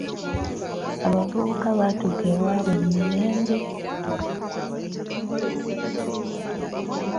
Abavubuka baatuuka ewaabwe mu mirembe.